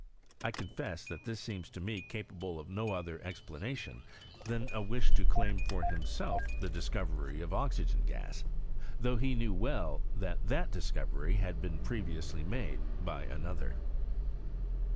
I confess that thil seems to me capable of no other explanation than a wish to claim for himself the discovery of oxygea> gas, though he knew well that that discovery had been previously made by another.